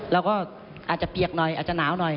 เราก็อาจจะเปียกหน่อยอาจจะหนาวหน่อย